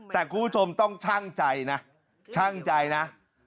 แต่คุณผู้ชมต้องชั่งใจนะช่างใจนะ